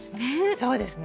そうですね。